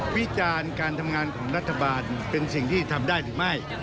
วิจารณ์การทำงานของรัฐบาลเป็นสิ่งที่ทำได้หรือไม่